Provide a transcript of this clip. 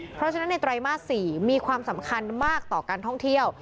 เพราะฉะนั้นในไตรมาส๔มีความสำคัญมากต่อการท่องเที่ยว